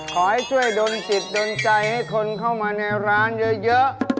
ขอให้ช่วยดนจิตดนใจให้คนเข้ามาในร้านเยอะ